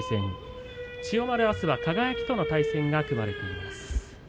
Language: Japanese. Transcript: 千代丸は、あすは輝との対戦が組まれています。